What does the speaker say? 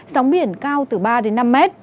sóng biển cao từ ba năm m